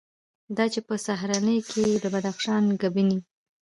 دا چې په سهارنۍ کې یې د بدخشان ګبیني،